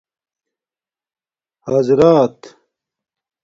حاضرات